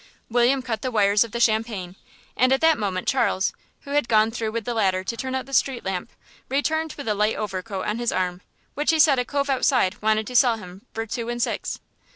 William cut the wires of the champagne, and at that moment Charles, who had gone through with the ladder to turn out the street lamp, returned with a light overcoat on his arm which he said a cove outside wanted to sell him for two and six.